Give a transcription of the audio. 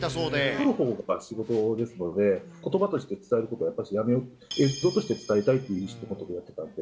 撮るほうが仕事ですので、ことばとして伝えることはやっぱりやめよう、映像として伝えたいという意思があったんで。